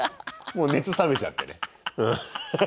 もう熱冷めちゃってね。